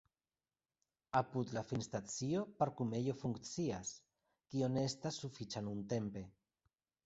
Apud la finstacio parkumejo funkcias, kio ne estas sufiĉa nuntempe.